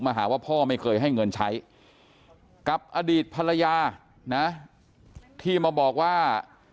หาว่าพ่อไม่เคยให้เงินใช้กับอดีตภรรยานะที่มาบอกว่า